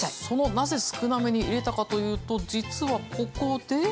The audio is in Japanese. そのなぜ少なめに入れたかというと実はここで。